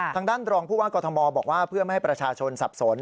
ทางด้านรองผู้ว่ากอทมบอกว่าเพื่อไม่ให้ประชาชนสับสน